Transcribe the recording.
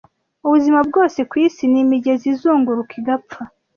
ubuzima bwose kwisi ni imigezi izunguruka igapfa